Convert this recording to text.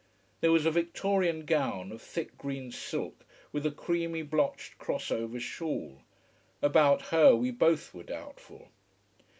There was a Victorian gown of thick green silk, with a creamy blotched cross over shawl. About her we both were doubtful.